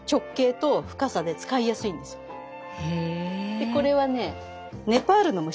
でこれはね